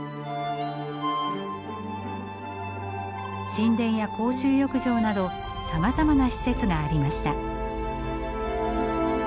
神殿や公衆浴場などさまざまな施設がありました。